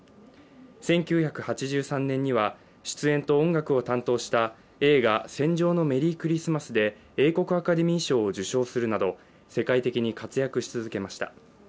１９８３年には出演と音楽を担当した映画「戦場のメリークリスマス」で英国アカデミー賞を受賞するなど、世界的に活躍し続けました。